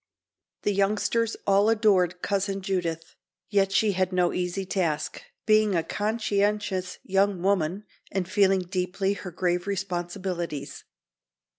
The youngsters all adored Cousin Judith, yet she had no easy task, being a conscientious young woman and feeling deeply her grave responsibilities.